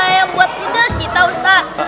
yang buat ide kita ustaz